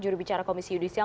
juri bicara komisi judisial